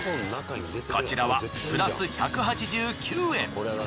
こちらはプラス１８９円。